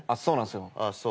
そうなんすよ。